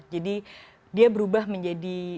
jadi dia berubah menjadi